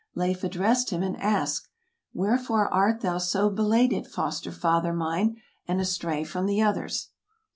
Leif addressed him, and asked, " Wherefore art thou so belated, foster father mine, and astray from the others?"